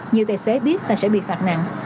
nhiều tài xế biết là sẽ bị phạt nặng